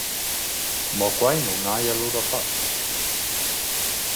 Mo quai nun haja lura fat.